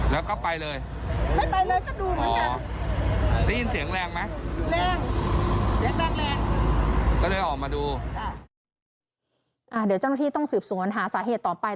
เดี๋ยวเจ้าหน้าที่ต้องสืบสวนหาสาเหตุต่อไป